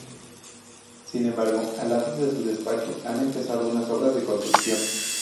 Sin embargo, al lado de su despacho han empezado unas obras de construcción.